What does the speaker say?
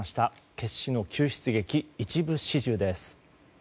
決死の救出劇、一部始終です。